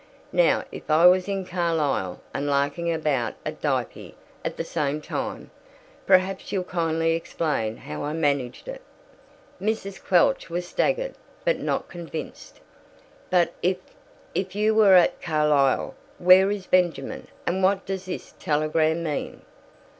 Now if I was in Carlisle and larking about at Dieppe at the same time, perhaps you'll kindly explain how I managed it." Mrs. Quelch was staggered, but not convinced. "But if if you were at Carlisle, where is Benjamin, and what does this telegram mean?"